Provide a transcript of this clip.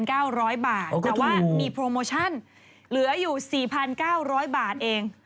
แต่ว่ามีโปรโมชั่นเหลืออยู่๔๙๐๐บาทเอง